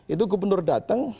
itu gubernur datang